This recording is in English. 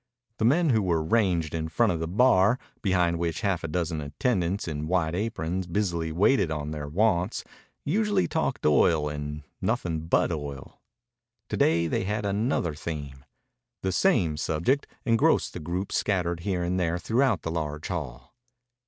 The men who were ranged in front of the bar, behind which half a dozen attendants in white aprons busily waited on their wants, usually talked oil and nothing but oil. To day they had another theme. The same subject engrossed the groups scattered here and there throughout the large hall.